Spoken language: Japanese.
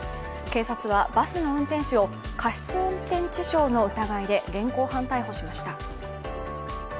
警察はバスの運転手を過失運転致傷の疑いで現行犯逮捕しました。